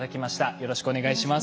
よろしくお願いします。